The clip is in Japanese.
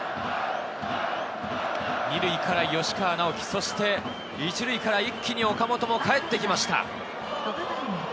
２塁から吉川尚輝、そして１塁から一気に岡本もかえってきました。